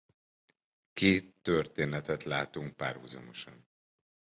Két történetet látunk párhuzamosan.